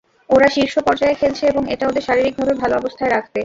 ওরা শীর্ষ পর্যায়ে খেলছে এবং এটা ওদের শারীরিকভাবে ভালো অবস্থায় রাখবে।